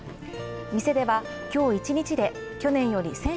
店では今日一日で去年より１０００